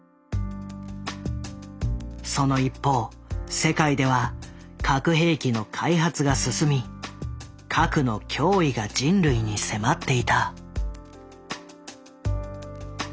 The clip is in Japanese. その一方世界では核兵器の開発が進み核の脅威が人類に迫っていた。